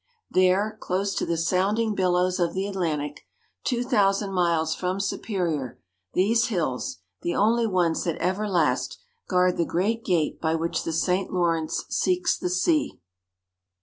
There, close to the sounding billows of the Atlantic, two thousand miles from Superior, these hills the only ones that ever last guard the great gate by which the St. Lawrence seeks the sea.